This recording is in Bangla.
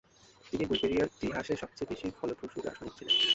তিনি বুলগেরিয়ার ইতিহাসে সবচেয়ে ফলপ্রসূ দার্শনিক ছিলেন।